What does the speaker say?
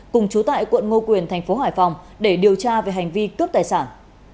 cùng chú tại quận ngô quyền tp hải phòng để điều tra về hành vi cướp tài sản